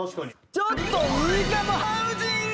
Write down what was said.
ちょっといいかもハウジング！